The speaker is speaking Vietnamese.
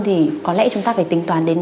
thì có lẽ chúng ta phải tính toàn đến